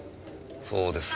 そうですか。